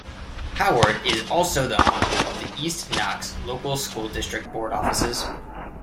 Howard is also the home of the East Knox Local School District board offices.